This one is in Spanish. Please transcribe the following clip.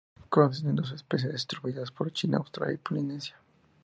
Consiste en dos especies distribuidas por China, Australia y Polinesia.